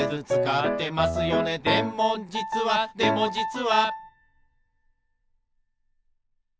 「でもじつはでもじつは」